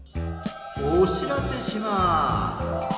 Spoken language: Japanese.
おしらせします。